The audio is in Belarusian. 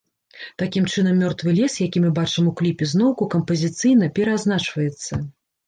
Такім чынам, мёртвы лес, які мы бачым у кліпе, зноўку кампазіцыйна пераазначваецца.